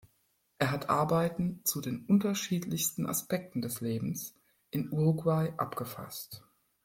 Er hat Arbeiten zu den unterschiedlichsten Aspekten des Lebens in Uruguay abgefasst.